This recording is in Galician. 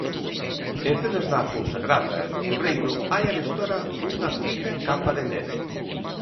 En zonas da Fonsagrada e do Cebreiro hai arestora unha fina capa de neve.